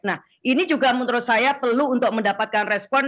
nah ini juga menurut saya perlu untuk mendapatkan respon